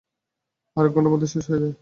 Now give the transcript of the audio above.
আর এক ঘণ্টার মধ্যে শেষ হয়ে যায়।